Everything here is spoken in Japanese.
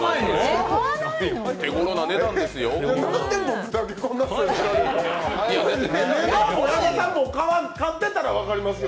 手ごろな値段ですよ。